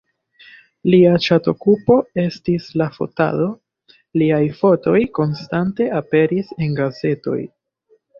Lia ŝatokupo estis la fotado, liaj fotoj konstante aperis en gazetoj.